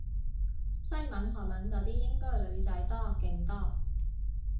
西文韓文嗰啲應該女仔多勁多